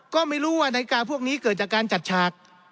ก็ไม่รู้ว่านาฬิกาพวกนี้เกิดจากการจัดฉาก